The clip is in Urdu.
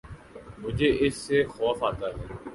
مجھے اس سے خوف آتا ہے